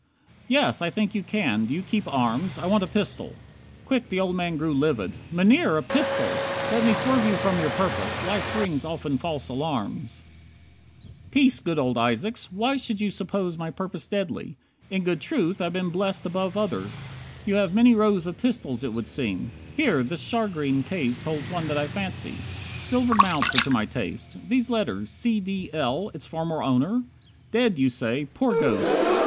"Yes, I think you can. Do you keep arms? I want a pistol." Quick the old man grew Livid. "Mynheer, a pistol! Let me swerve You from your purpose. Life brings often false alarms " 63 "Peace, good old Isaacs, why should you suppose My purpose deadly. In good truth I've been Blest above others. You have many rows Of pistols it would seem. Here, this shagreen Case holds one that I fancy. Silvered mounts Are to my taste. These letters `C. D. L.' Its former owner? Dead, you say. Poor Ghost!